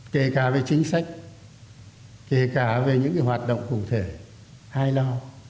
kể cả về chính sách kể cả về những hoạt động cụ thể ai lo